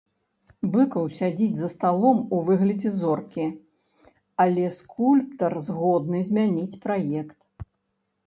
Быкаў сядзіць за сталом у выглядзе зоркі, але скульптар згодны змяніць праект.